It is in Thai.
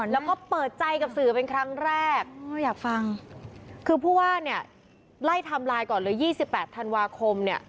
แล้วก็เปิดใจกับสื่อเป็นครั้งแรกอยากฟังคือผู้ว่าเนี่ยไล่ไทม์ไลน์ก่อนเลย๒๘ธันวาคมเนี่ย